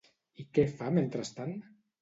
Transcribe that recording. I què fa mentrestant?